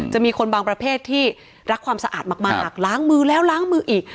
จะมีคนบางประเภทที่รักความสะอาดมากล้างมือแล้วล้างมืออีก